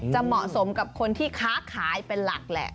เหมาะสมกับคนที่ค้าขายเป็นหลักแหละ